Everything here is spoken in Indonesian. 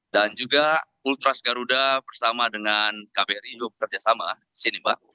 dan juga ultras garuda bersama dengan kpru bekerjasama di sini mbak